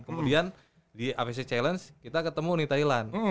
kemudian di afc challenge kita ketemu nih thailand